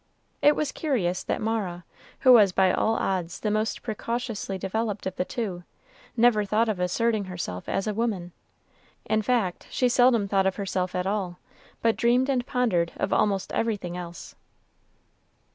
It was curious that Mara, who was by all odds the most precociously developed of the two, never thought of asserting herself a woman; in fact, she seldom thought of herself at all, but dreamed and pondered of almost everything else.